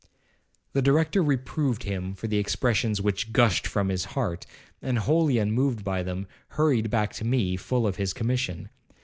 '—The Director reproved him for the expressions which gushed from his heart, and, wholly unmoved by them, hurried back to me, full of his commission.